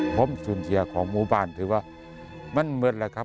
ผมสูญเสียของหมู่บ้านถือว่ามันเหมือนแหละครับ